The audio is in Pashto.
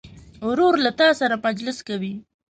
ورور له تا سره مجلس کوي.